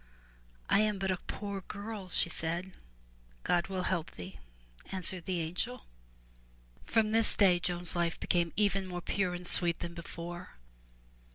"I am but a poor girl," she said. God will help thee," answered the angel. From this day Joan's life became even more pure and sweet than before.